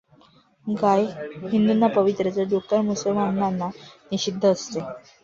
गाय हिंदूना पवित्र तर डुक्कर मुसलमानांना निषिद्ध असते.